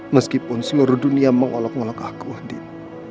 meskipun seluruh dunia mengolok ngolok aku wahdin